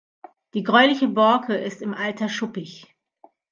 Die gräuliche Borke ist im Alter schuppig.